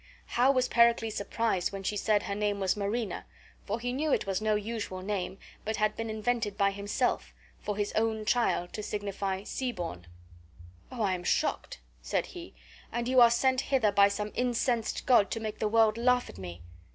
How was Pericles surprised when she said her name was MARINA, for he knew it was no usual name, but had been invented by himself for his own child to signify SEA BORN. "Oh, I am mocked," said he, "and you are sent hither by some incensed god to make the world laugh at me."